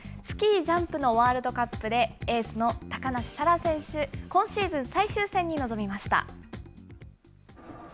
スキージャンプのワールドカップで、エースの高梨沙羅選手、今シーズン最終戦に臨みました。